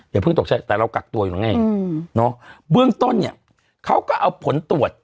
อย่าเพิ่งตกใจแต่เรากักตัวอยู่ไงเนาะเบื้องต้นเนี่ยเขาก็เอาผลตรวจ